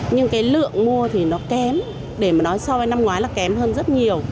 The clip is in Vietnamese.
nhưng cái lượng mua thì nó kém để mà nói so với năm ngoái là kém hơn rất nhiều